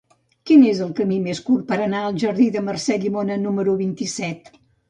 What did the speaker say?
Quin és el camí més curt per anar al jardí de Mercè Llimona número vint-i-set?